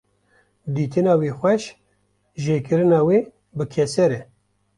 Dîtina wê xweş, jêkirina wê bi keser e